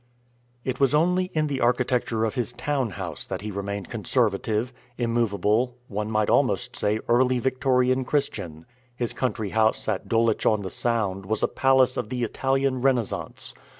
It was only in the architecture of his town house that he remained conservative, immovable, one might almost say Early Victorian Christian. His country house at Dulwich on the Sound was a palace of the Italian Renaissance.